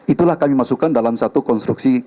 itulah kami masukkan dalam satu konstruksi